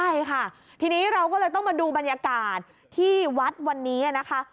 ใช่ค่ะทีนี้เราก็เลยต้องมาดูบรรยากาศที่วัดวันนี้นะคะ